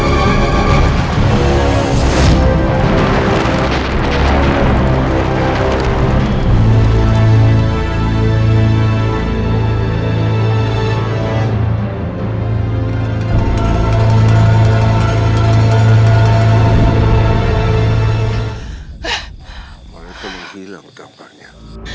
mereka menghilang gambarnya